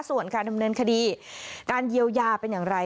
ส่วนการดำเนินคดีการเยียวยาเป็นอย่างไร